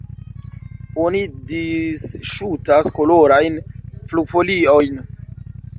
Oni disŝutas kolorajn flugfoliojn.